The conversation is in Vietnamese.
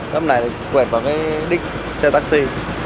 tấp này thì quẹt vào cái đích xe taxi